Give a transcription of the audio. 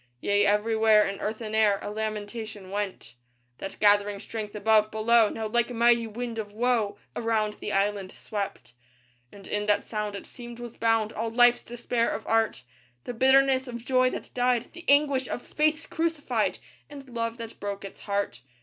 Yea, everywhere, in earth and air, A lamentation wept; That, gathering strength above, below, Now like a mighty wind of woe, Around the island swept. And in that sound, it seemed, was bound All life's despair of art; The bitterness of joy that died; The anguish of faiths crucified; And love that broke its heart.